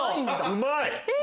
うまい！